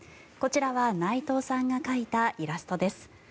こちらは内藤さんが描いたイラストです。